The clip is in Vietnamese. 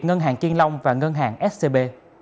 ngân hàng chiên long và ngân hàng scb